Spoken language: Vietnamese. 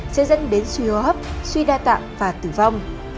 sẽ dẫn đến siêu hấp suy đa tạng và tử vong